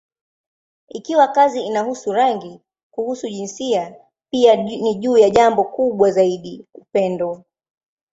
Ikiwa kazi inahusu rangi, kuhusu jinsia, pia ni juu ya jambo kubwa zaidi: upendo.